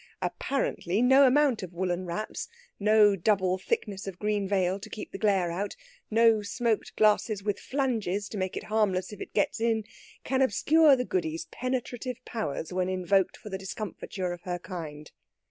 Apparently, no amount of woollen wraps, no double thickness of green veil to keep the glare out, no smoked glasses with flanges to make it harmless if it gets in, can obscure the Goody's penetrative powers when invoked for the discomfiture of her kind.